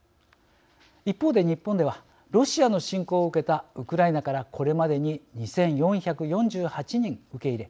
一方で日本ではロシアの侵攻を受けたウクライナから、これまでに２４４８人、受け入れ